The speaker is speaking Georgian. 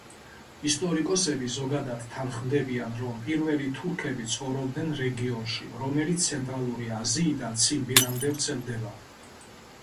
ისტორიკოსები ზოგადად თანხმდებიან, რომ პირველი თურქები ცხოვრობდნენ რეგიონში, რომელიც ცენტრალური აზიიდან ციმბირამდე ვრცელდება.